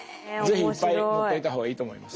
是非いっぱい持っといた方がいいと思います。